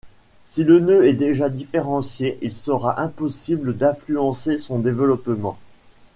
Si le nœud est déjà différencié, il sera impossible d’influencer son développement.